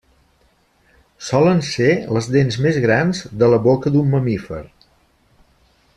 Solen ser les dents més grans de la boca d'un mamífer.